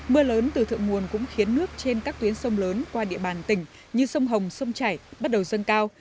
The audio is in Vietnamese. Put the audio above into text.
mưa lớn từ thượng nguồn cũng khiến nước trên các tuyến sông lớn qua địa bàn tỉnh như sông hồng sông chảy bắt đầu dâng cao